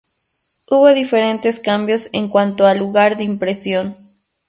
Hubo diferentes cambios en cuanto al lugar de impresión.